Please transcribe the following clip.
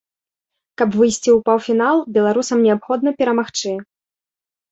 Каб выйсці ў паўфінал, беларусам неабходна перамагчы.